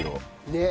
ねっ。